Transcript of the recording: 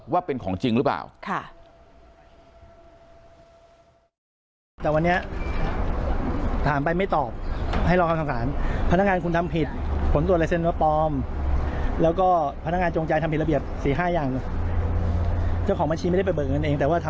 ว่าเป็นของจริงหรือเปล่า